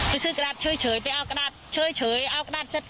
ไปซื้อกระดาษเฉยเฉยไปเอากระดาษเฉยเฉยเอากระดาษเสร็จ